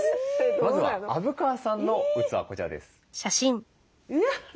まずは虻川さんの器こちらです。